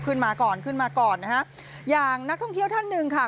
ขึ้นมาก่อนขึ้นมาก่อนนะฮะอย่างนักท่องเที่ยวท่านหนึ่งค่ะ